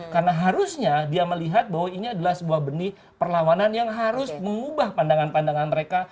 karena harusnya dia melihat bahwa ini adalah sebuah benih perlawanan yang harus mengubah pandangan pandangan mereka